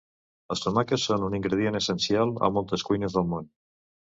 Els tomàquets són un ingredient essencial a moltes cuines del món.